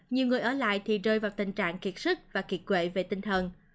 nhiều người ở lại thì rơi vào tình trạng kiệt sức và kiệt quệ về tinh thần